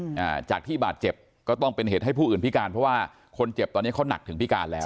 อ่าจากที่บาดเจ็บก็ต้องเป็นเหตุให้ผู้อื่นพิการเพราะว่าคนเจ็บตอนนี้เขาหนักถึงพิการแล้ว